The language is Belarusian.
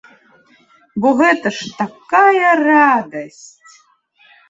Бо гэта ж такая радасць!